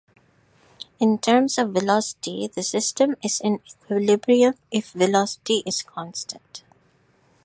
In terms of velocity, the system is in equilibrium if velocity is constant.